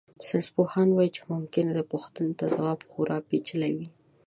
ساینسپوهان وایي چې ممکن دې پوښتنې ته ځوابونه خورا پېچلي وي.